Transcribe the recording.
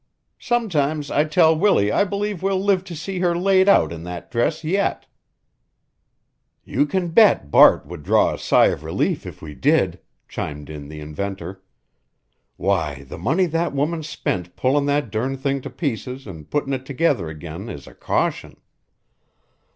Sometimes I tell Willie I believe we'll live to see her laid out in that dress yet." "You can bet Bart would draw a sigh of relief if we did," chimed in the inventor. "Why, the money that woman's spent pullin' that durn thing to pieces an' puttin' it together again is a caution.